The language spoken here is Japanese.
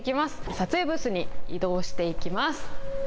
撮影ブースに移動していきます。